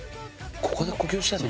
ここで呼吸してんの？